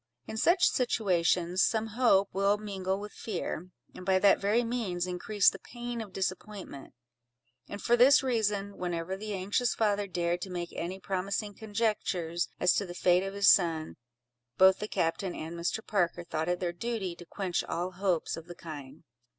In such situations, some hope will mingle with fear; and by that very means increase the pain of disappointment; and for this reason, whenever the anxious father dared to make any promising conjectures as to the fate of his son, both the captain and Mr. Parker thought it their duty to quench all hopes of the kind.